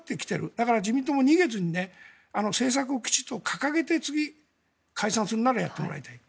だから、自民党も逃げずに政策をきちんと掲げて次、解散するならやってもらいたい。